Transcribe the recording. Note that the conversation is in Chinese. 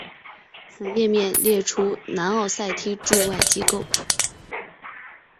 此页面列出南奥塞梯驻外机构。